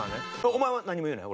お前は何も言うなよ？